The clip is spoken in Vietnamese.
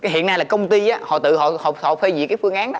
hiện nay là công ty họ tự họ phê diệt cái phương án đó